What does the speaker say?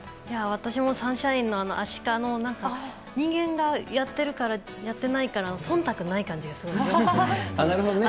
私もサンシャインのアシカの、人間がやってないから、なるほどね。